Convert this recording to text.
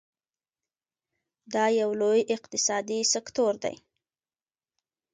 دا یو لوی اقتصادي سکتور دی.